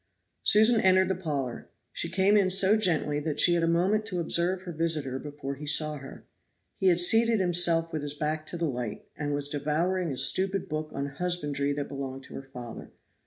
Susan entered the parlor; she came in so gently that she had a moment to observe her visitor before he saw her. He had seated himself with his back to the light, and was devouring a stupid book on husbandry that belonged to her father.